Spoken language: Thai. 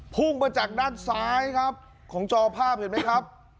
พุ่งมาจากด้านซ้ายครับของจอภาพเห็นไหมครับ